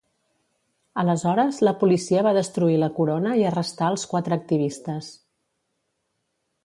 Aleshores la policia va destruir la corona i arrestar els quatre activistes.